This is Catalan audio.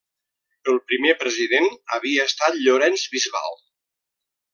El primer president havia estat Llorenç Bisbal.